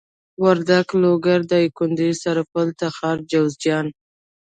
وردک لوګر دايکندي سرپل تخار جوزجان